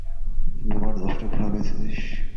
তুই বাবার দশটা ঘোড়া বেচেছিস?